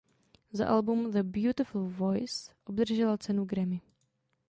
Za album "The Beautiful Voice" obdržela cenu Grammy.